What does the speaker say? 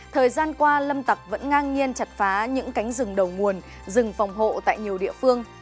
thời gian qua lâm tập vẫn ngang nhiên chặt phá những cánh rừng đầu nguồn rừng phòng hộ tại nhiều địa phương